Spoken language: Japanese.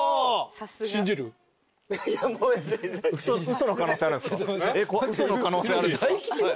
嘘の可能性あるんすか？